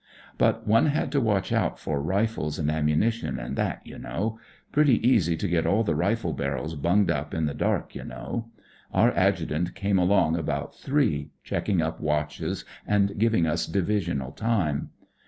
But one had to watch out for rifles and ammunition, and that, you know. Pretty easy to get all the rifle barrels bunged up, in the dark, you know. Our Adjutant came along about three, checking up watches and giving us Divisional time.